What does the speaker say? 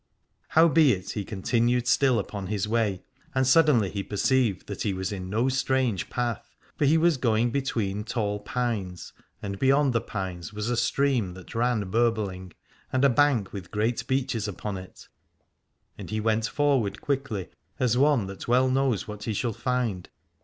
Howbeit he continued still upon his way, and suddenly he perceived that he was in 233 Aladore no strange path : for he was going between tall pines, and beyond the pines was a stream that ran burbling, and a bank with great beeches upon it, and he went forward quickly as one that well knows what he shall find.